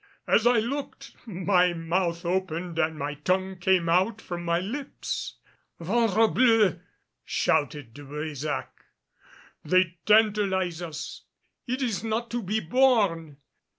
As I looked, my mouth opened and my tongue came out from my lips. "Ventre bleu!" shouted De Brésac. "They tantalize us. It is not to be borne."